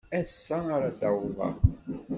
Ass-a ara d-awḍeɣ.